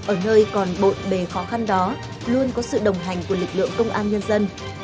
ở nơi còn bộn bề khó khăn đó luôn có sự đồng hành của lực lượng công an nhân dân